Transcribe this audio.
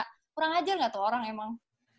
kurang ajar nggak tuh orang emang